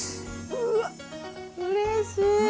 うわっうれしい。